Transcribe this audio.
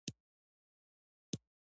یورانیم د افغانانو د معیشت سرچینه ده.